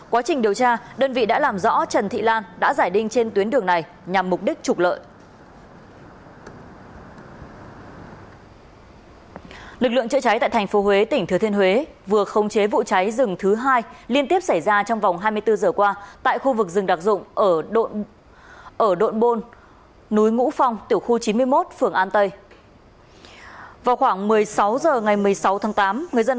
quá trình điều tra đơn vị đã làm rõ trần thị lan đã giải đinh trên tuyến đường này nhằm mục đích trục lợi